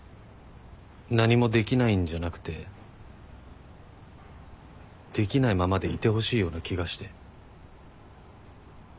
何もできないんじゃなくてできないままでいてほしいような気がして。